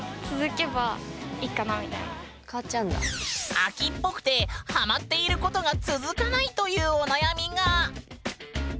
飽きっぽくてハマっていることが続かない！というお悩みが。